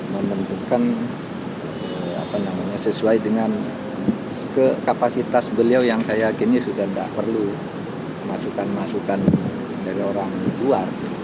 menentukan sesuai dengan kapasitas beliau yang saya yakini sudah tidak perlu masukan masukan dari orang luar